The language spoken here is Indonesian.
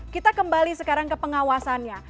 kita kembali sekarang ke pengawasannya